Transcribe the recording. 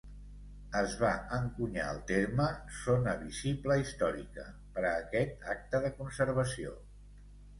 Es va encunyar el terme "zona visible històrica" per a aquest acte de conservació.